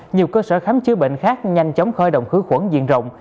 nhiều cơ sở khám chữa bệnh khác nhanh chóng khởi động khử khuẩn diện rộng